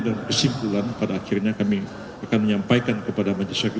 dan kesimpulan pada akhirnya kami akan menyampaikan kepada majelis hakim